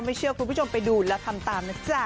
เชื่อคุณผู้ชมไปดูแล้วทำตามนะจ๊ะ